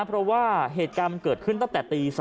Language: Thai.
เพราะว่าเหตุการณ์มันเกิดขึ้นตั้งแต่ตี๓